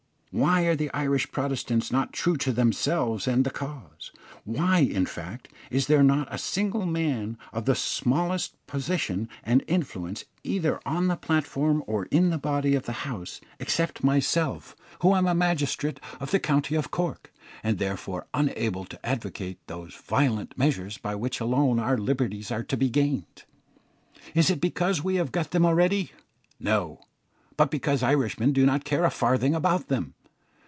Why are the Irish Protestants not true to themselves and the cause? Why, in fact, is there not a single man of the smallest position and influence either on the platform or in the body of the house, except myself, who am a magistrate of the county of Cork, and therefore unable to advocate those violent measures by which alone our liberties are to be gained? Is it because we have got them already? No; but because Irishmen do not care a farthing about them.